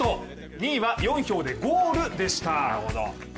２位は４票でゴールでした。